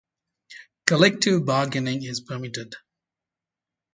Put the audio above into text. Collective bargaining is permitted.